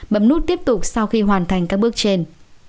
bấm nút tiếp tục sau khi hoàn thành các bước trên